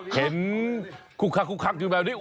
เห็นคุกคักอยู่แบบนี้